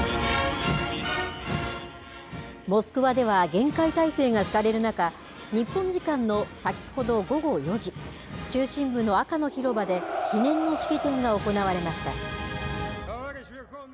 モスクワでは厳戒態勢が敷かれる中、日本時間の先ほど午後４時、中心部の赤の広場で、記念の式典が行われました。